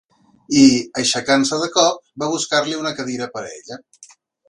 I, aixecant-se de cop, va buscar-li una cadira per a ella.